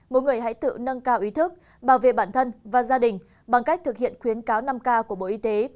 mỗi người hãy tự nâng cao ý thức bảo vệ bản thân và gia đình bằng cách thực hiện khuyến cáo năm k của bộ y tế